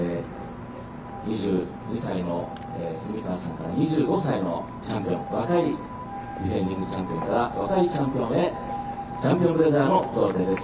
２２歳の蝉川さんが２５歳のチャンピオンへ若いディフェンディングチャンピオンから若いチャンピオンへチャンピオンブレザーの贈呈です。